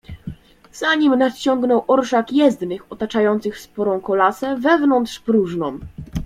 "Za nim nadciągnął orszak jezdnych, otaczających wspaniałą kolasę, wewnątrz próżną."